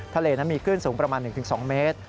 ทะเลมีขึ้นสูงประมาณ๑๒เมตร